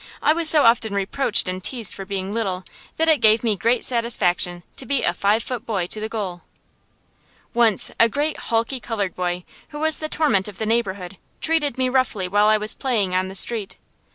I was so often reproached and teased for being little, that it gave me great satisfaction to beat a five foot boy to the goal. Once a great, hulky colored boy, who was the torment of the neighborhood, treated me roughly while I was playing on the street.